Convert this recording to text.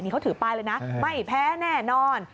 เขาถือป้ายเลยนะไม่แพ้แน่นอน